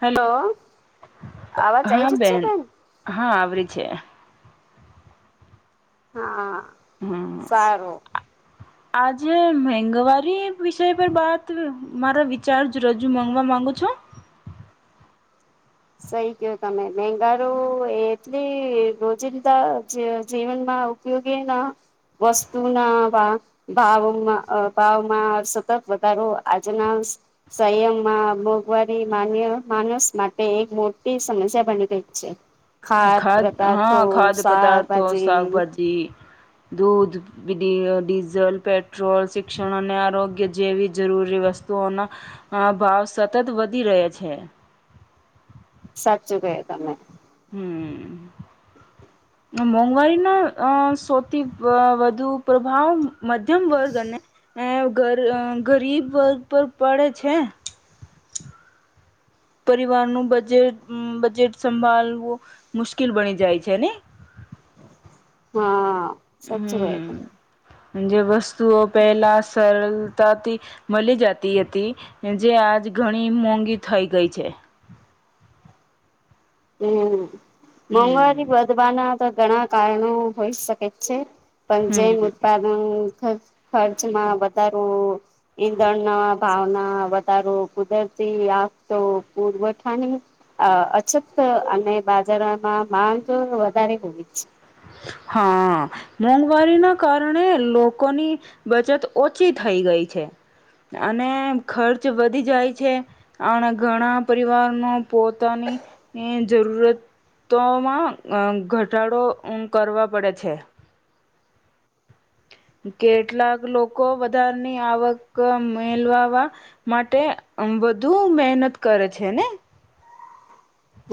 Hello તો અવાજ આઈ હા જ છે બેન હા આવે છે હા હમ્મ સારું આજે મેંઘવારી વિષય પર બાત મારે વિચારજ રજૂ મગ માગું છું સહી કહો તમે મેંઘારુ એ એટલી રોજીદાં જી જીવનમાં આ ઉપયોગી એના વસ્તુના ભા ભાવમાં ભાવમાં સતત વધારો આજના સંયમમાં મોંઘવારી માન્ય માનસ માટે તે એક મોટી સમસ્યા બની ગઈ છે ખાદ પદાર્થો હા ખાદ્ય પદાર્થો શાકભાજી શકભાજી દૂધ ડી ડીઝલ પેટ્રોલ શિક્ષણ અને આરોગ્ય જેવી જરૂરી વ વસ્તુઓના ભાવ સતત વધી રહે છે સાચું કહે તમે હમ્મ મોંઘવારીના અ સૌથી અ વધુ પ્રભાવ મધ્યમ વર્ગને એઅ ગ ગરીબ વર્ગ પર પડે છે પરિવારનું બજેટ બજેટ સંભાળવું મુશ્કેલ બની જાય છે ને [inaudible] હા સાચું કહ્યું હમ્મ જે વસ્તુઓ પહેલા સરળતાથી મળી જતી હતી જે આજ ઘણી મોંઘી થઈ ગઈ છે હમ્મ મોંઘવારી હમ વધવાના તો ઘણા કારણો હોઈ શકે છે પણ જે હમ ઉત્પાદનુ ખર્ચ ખર્ચમાં વધારો ઈંધણ ના ભાવના વધારો કુદર ટી આપતો પૂરવઠા ની અછત અને બાજારમાં માંગ તો વધારે હોવી જ હા મોંઘવારી ના કારણે લોકોની બચત ઓછી થઈ ગઈ ગઈ છે અને ખર્ચ વધી જાય છે આ ઘણા પરિવારનો પોતાની જરૂરતોમાં ઘટાડો ઉમ કરવા પડે છે [inaudible] કેટલાક લોકો વધારની આવક મેલવાવા માટે વધુ મહેનત કરે છે ને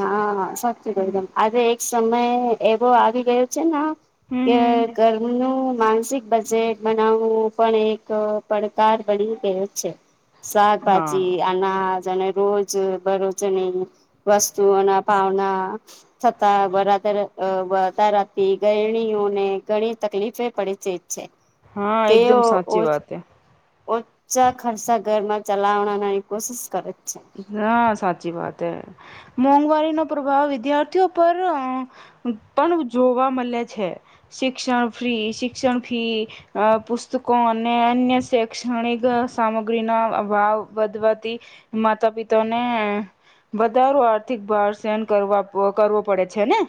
હા સાચી હમ કદમ આજે એક સમય એવો આવી ગયો છે ના હમ કે હમ કરમનું માનસિક બજેટ બનાવવું પણ એક પડકાર બની ગયો છે હા શાકભાજી અનાજ અને રોજ બરોજની વસ્ તુઓ ના ભાવના [unintelligible] ઘણી તકલીફે પડેચિત છે હા એકદમ તેઓ સાચી વાત ઓછા ખર્ચ ઘરમાં ચલાવનાની કોશિશ કરે. છે. નાા સાચી વાત હે મોંઘવારીનો પ્રભાવ વિદ્યાર્થીઓ પર પણ જોવા મલે છે. શિક્ષણ ફ્રી શિક્ષણ ફી પુસ્તકો અને અન્ય શૈક્ષણિક સામગ્રી ના ભાવ વધવાથી માતા પિતાને વધારો આર્થિક ભાર સહન કરવા કરવો પડે છે ને.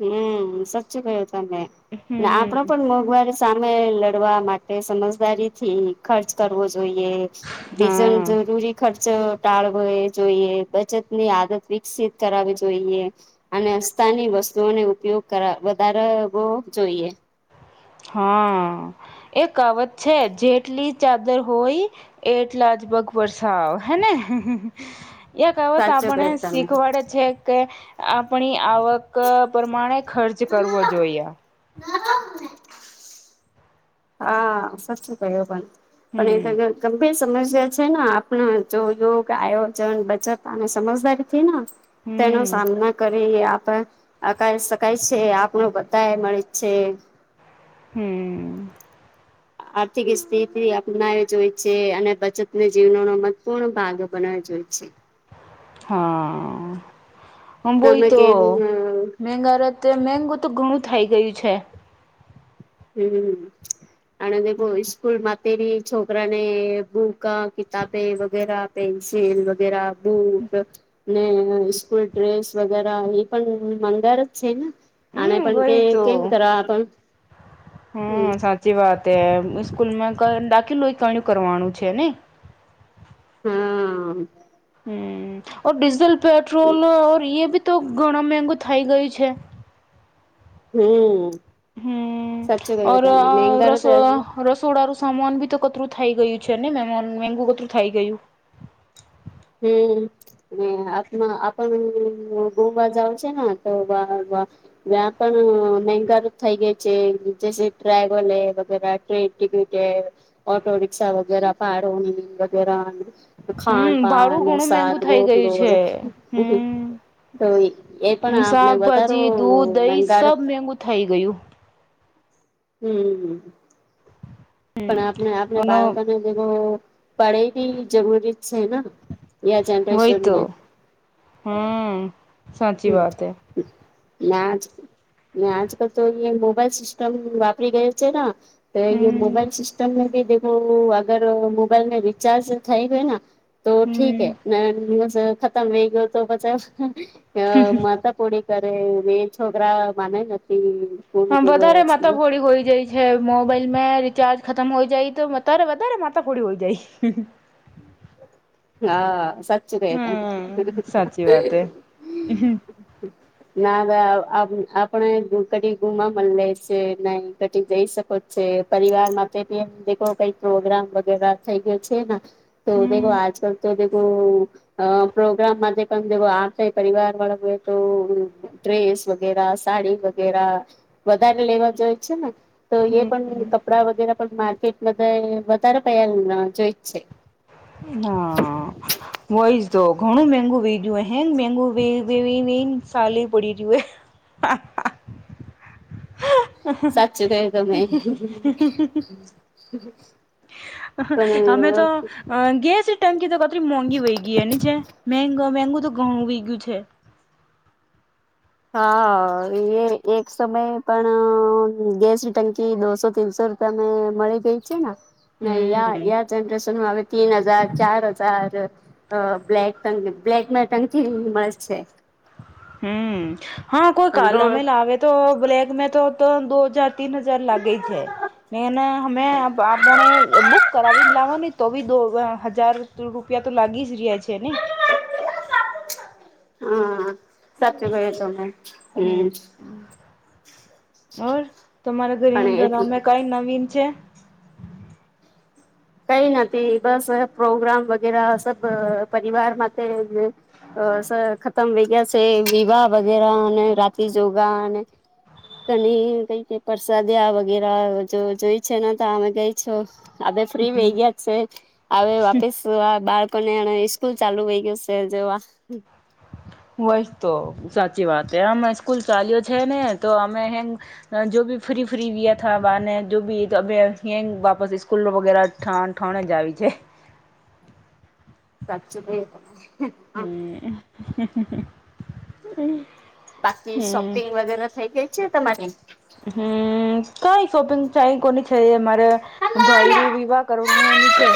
હમ્મ સાચું કયું તમે ને આપડો હમ પણ મોંઘવારી સામે લડત કરવા માટે સમજદારી થી ખર્ચ કરવો જોઈએ હા [unintelligible] જરૂરી ખર્ચ ટાળ વુ જોઈએ બચતની આદત વિકસિત કરાવી જોઈએ અને અસ્તાની વસ્ તું ને ઉપયોગ કરા વધારવો જોઈએ. [inaudible] હા એકાવત છે જેટલી ચાદર હોય એટલા જ પગ વરસાાવ હેને એ કાવતો સાચું આપને કહ્યું તમે શીખવાડે છે કે આપણી આવક પ્રમાણે ખર્ચ કરવો જોઈએ. [inaudible] હા સાચું કયો પણ હમ પણ [unintelligible] ગંભીર સમસ્યા છેન આપણા જો યોગ આયોજન બચત અને સમજદારી થીન તેનો હમ સામના કર આપ અકા શકાય છે આપણ બધા મળી છે. હમ્મ. આર્થિક સ્થિતિ અપનાવી જો હોય છે અને બચતને જીવનોનો મત્વપૂર્ણ ભાગ [unintelligible] જોઈ છે. હા હ તમે વોહિતો કેમ [unintelligible] અત્યારે મેગું તો ઘણું થઇ ગયું છે. હમ્મ [unintelligible] ઈસ્કૂલમાં તેરી છોકરાને બુક કિતાબે વગેરા પેન્સિલ વગેરા બુટ ને સ્કૂલ ડ્રેસ વગેરે એ પણ મગાર જ છે ને. અને હમ પણ કે કેમ કર [unintelligible] હમ્મ સાચી વાત હે સ્કૂલમાં દાખલય કણું કરવાનું છે ને. હા. હમ્મ ઓર ડીઝલ પેટ્રોલર એ બી તો ઘણા મેગુ થઈ ગયું છે. હમ્મ. હમ્મ ઓર મેંઘા રસો રસોડા સામાન બી તો કટરું થઈ ગયું છે ને મે મેગું કતરું થઈ ગયું. હમ્મ અને [unintelligible] આપણ ગોવા જાવ છે ને તો [unintelligible] ત્યાં પણ [unintelligible] થઈ ગયા છે [unintelligible] ટિકિટે ઓટો રિક્ષા વગેરા ભાળોની વગેરા ખાન હમ પાન ભાડું ઘણું મેંગુ સાધવો થઈ ગયું છે હમ [unintelligible] તો એ પણ આપણને શાકભાજી દૂધ દહી [unintelligible] સબ મેંગુ થઈ ગયું હમ્મ પણ આપણે આપણે અને બાળકોને જેવુ પડે બી જરૂરી છે ન એ આ વહી તો જનરેશનને હમ સાચી વાત એ ને આજ આજકાલ તો અ મોબાઈલ સિસ્ટમ વાપરી ગયે છે ના તો હમ મોબાઈલ સિસ્ટમ બી દેખો અગર મોબાઈલને રિચાર્જ થઈ ગય ના તો ઠીક હમ હે હેસ ખતમ વઈ ગયો તો બચાવ માતાપોડી તારે બે છોકરા માને નથી. હ પૂર્ણ વધારે દિવસ મતાફોડી હોય જાય છે મોબાઈલ મે ચાર્જ ખતમ હોય જાય તો વધારે વધારે માથાફોડી હોય જાય. હા સાચું કહે તમે. હમ સાચી વાત હે હમ ના અવે આ અપ આપને કટી ગુમા મ લે છે નય કટી જઈ શકો. [unintelligible] પરિવાર માટે કઈ પ્રોગ્રામ વગેરા થઈ ગયો છેન. તો દખો આજ તો દેખું આમ પ્રોગ્રામ માધે પણ [unintelligible] આ પરિવાર વાળ હો તો ડ્રેસ વગેરા સાડી વગેરા વધારે લેવા જોય છે ને તો એ પણ હમ કપડા વગેરે પણ મા કેટ વધાયે વધારે પૈહા જોઈ જ છે. હા વય તો ઘણું મેગું વેજું હેંગ મેગું વયું [unintelligible] ઇન સાલી પડી જુવે [unintelligible] અમે સાચું કહ્યું તમે તો પણ અ ગયા છે ટકી તો બકરી મોઘી વય ગિયે નીચે મેં ગમે બધું ઘણું વય ગયું છે. હા એ એક સમય પણ ગેસની ટંકી દોસો તીનસો ર તમે મળી ગય છે ને યા હમ યા જરેશનમાં તીન હજાર ચાર હજાર અ બ્લેક ટ બ્લેક ને ટકી મળશે. હમ્મ હા કોઈ કાલા મે લાવે તો બ્લલેક મે તો દો હજાર તન હજાર લાગે છે એના અમે આપણે બુક કરાવી લાવવા ન તો બી દો હજાર રૂપિયા તો લાગી જ રહી. ગે છે ની. હા સાચો કોહો તમે હમ્મ. હમ ઓર તમારા ઘરમ ઘર અમે કઈ નવીન છે? કઈ નથી બસ હવે પ્રોગ્રામ વગેરે સબ પરિવાર માટે અ સર ખતમ થઈ ગયા છે વિવાહ વગેરે અને રાતી જોગા અને ઘણી કઈ કે પરસાદયા વગેરે જો જોય છે ને તો અમે ગઈ છો. હવે ફ્રી હમ વહી ગયા છે હવે વાપીસ બાર કને અને સ્કૂલ ચાલુ વઈ ગયશે જેવા. વહિચતો સાચી વાત આમ સ્કૂલ ચાલ્યો છે ને તો અમે હે જો ભી ફ્રી ફ્રી ગયા થ બને જો ભી તો અભં વાપસ સ્સ્કૂલ વગેરે ઠાઠાન જીવી આવી છે. સાચી ભય હમ્મ [unintelligible] બાકી શોપિંગ વગેરે થઈ ગય છે તમારી? હમ કઈ શોપિંગ ચ કોની છે મારે ભાઈરું વિવાહ કરવાનું એની છે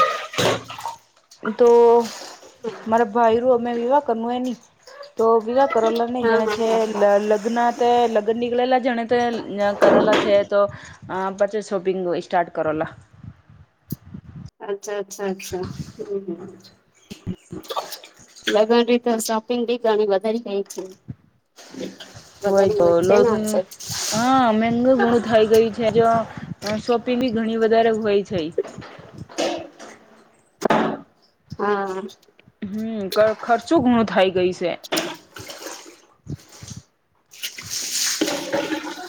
તો મારા ભાઈ રું અમે વિવાહ કરનું એ નની તો વિવા કરેલા નહી હા જેણે છે હા હા લગ્ન તે લગ્ન નીકળેલા જાણે તે કરેલા છે તો પછી શોપિંગ સ્ટાર્ટ કરોલા અચ્છા અચ્છા અચ્છા હમ્મ. [inaudible] લગન રીતે સોપિંગી ગણી વધારે કઈ છે. હોય વધારી તો છે લોન ને અસર હા મેગું ઘણું થઈ ગયું છે જો શોપિંગ ઘણી વધારે હોય છે. હા. હમ્મ ખર્ચું ઘુણું થાય ગય છે.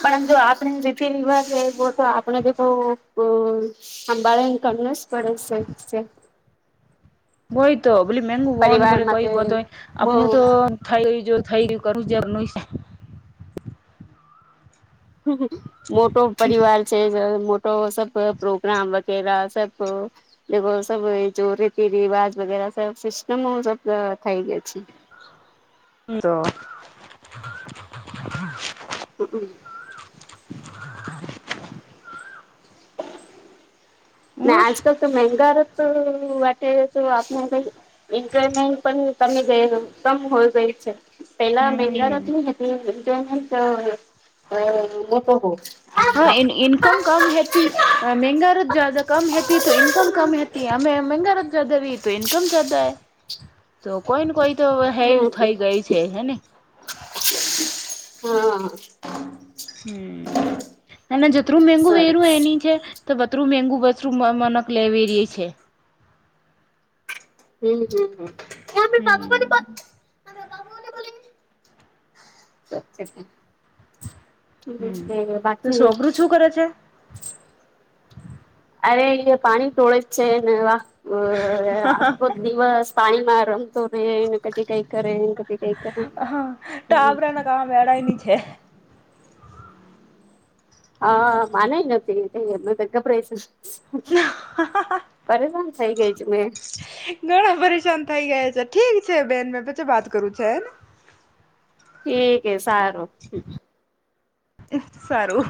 પણ જો આપડ રીતિ રિવાજ એવો તો આપડે જે ક સંંભાળી ને કરને [unintelligible] છે બય તો બ મેંગુ બનને બ પરિવાર કઈ બ માટે તોય આપું મો તો થાય જો થઈ ગયું [unintelligible] છે મોટો પરિવાર છે મોટો સબ પ્રોગ્રામ વગેરા સબ જે સ જો રીતિ રિવાજ વગ સિસ્ટમ સબ થઈ તો હમ [unintelligible] ના હમ આજકાલ તો મંગા તો તો આપણે ઈજામેન્ટ પણમે ગ કમ હોય ગય છે પેલા મહલાતની હતી [unintelligible] મોટો હો હા ઇનકમ કમ હથી મંગા જદા કમ હતી તો ઇકમ કમ હતી હમે મંગા ર જદા રી તો ઇકમ જદા તો કોઈ ને કોઈ તો હે હમ થઈ ગય છે હેને હા હ હમ અને જતરું મેગું વેરું સરસ એની છે તો બતરું મેગું [unintelligible] લેવી ર છે હમ હમ હમ હમ [unintelligible] હમ તો બાકી છોકરું શું કરે છે અરે અયા પાણી ટળે જ છે ને આખખો દિવસ પાણીમાં રમ તો એ ક કઈ કરે એ ક કઈ કરે હા હમ ટાબરાના કામ વેળાયની [inaudible] હા માનેય નથી એમને ગબ છે પરેશન સઈ ગઈ છું મેં ઘણા પરેશાન થઈ ગયા છે ઠીક છે બેન મેં પછી વાત કરું છે એને ઠીક એ સારું સારું